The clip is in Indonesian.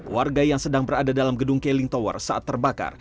warga yang sedang berada dalam gedung keling tower saat terbakar